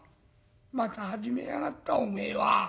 「また始めやがったおめえは。